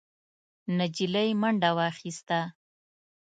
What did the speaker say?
نجلۍ منډه واخيسته.